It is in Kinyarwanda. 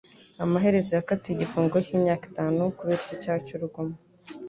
Amaherezo yakatiwe igifungo cy'imyaka itanu kubera icyo cyaha cy'urugomo